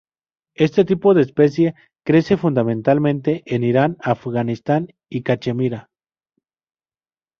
Este tipo de especia crece fundamentalmente en Irán, Afganistán y Cachemira.